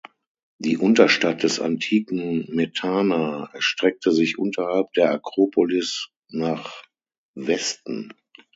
Die Unterstadt des antiken Methana erstreckte sich unterhalb der Akropolis nach Westen.